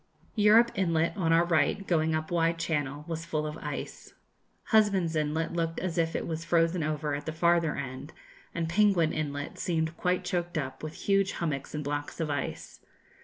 Europe Inlet, on our right, going up Wide Channel, was full of ice. Husband's Inlet looked as if it was frozen over at the farther end, and Penguin Inlet seemed quite choked up with huge hummocks and blocks of ice.